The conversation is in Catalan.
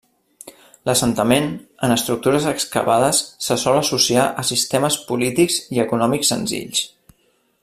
L'assentament en estructures excavades se sol associar a sistemes polítics i econòmics senzills.